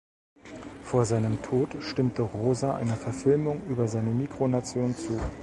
Vor seinem Tod stimmte Rosa einer Verfilmung über seine Mikronation zu.